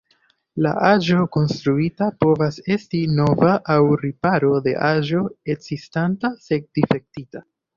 La aĵo konstruita povas esti nova aŭ riparo de aĵo ekzistanta sed difektita.